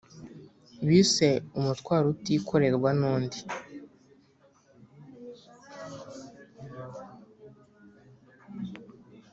bise umutwaro utikorerwa nundi.